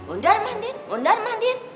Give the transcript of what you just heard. undar mandir undar mandir